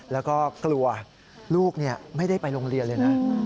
แล้วก็กลัวลูกไม่ได้ไปโรงเรียนเลยนะ